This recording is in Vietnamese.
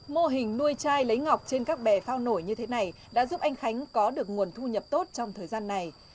mô hình nuôi chai lấy ngọc trên các bè phao nổi như thế này đã giúp anh khánh có được nguồn thu nhập tốt trong thời gian này